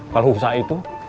kalau usaha itu